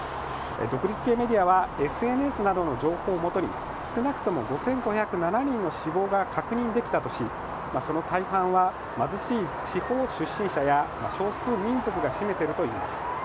独立系メディアはＳＮＳなどの情報をもとに少なくとも５５０７人の死亡が確認できたとしその大半貧しい地方出身者や少数民族が占めているといいます。